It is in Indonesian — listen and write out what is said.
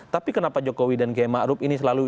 tapi kenapa jokowi dan qiyam arub ini sesungguhnya